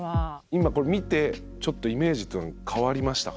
今これ見てちょっとイメージっていうの変わりましたか。